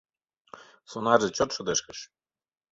Сонарзе чот шыдешкыш.